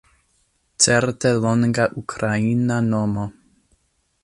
Certe longa Ukraina nomo